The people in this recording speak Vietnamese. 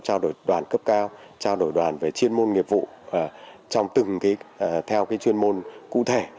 trao đổi đoàn cấp cao trao đổi đoàn về chuyên môn nghiệp vụ trong từng theo chuyên môn cụ thể